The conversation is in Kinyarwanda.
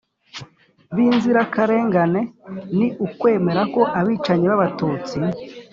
b'inzirakarengane. ni ukwemera ko abicanyi b'abatutsi